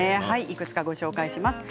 いくつかご紹介します。